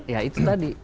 ya itu tadi